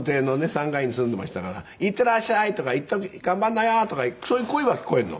３階に住んでましたから「いってらっしゃい」とか「頑張るのよ」とかそういう声は聞こえるの。